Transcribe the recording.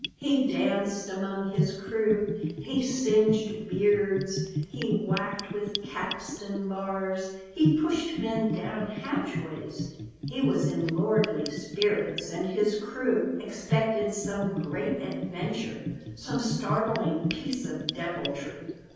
He danced among his crew; he singed beards; he whacked with capstan bars; he pushed men down hatchways; he was in lordly spirits, and his crew expected some great adventure, some startling piece of deviltry.